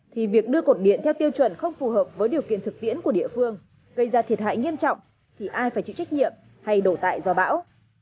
thì việc đưa cột điện theo tiêu chuẩn không phù hợp với điều kiện thực tiễn của địa phương gây ra thiệt hại nghiêm trọng thì ai phải chịu trách nhiệm hay đổ tại do bão